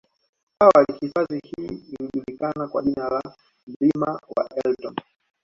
Awali hifadhi hii ilijulikana kwa jina la mlima wa elton